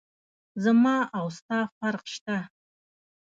زما او ستا فرق سته.